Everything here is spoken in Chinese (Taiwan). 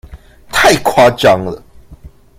太誇張了！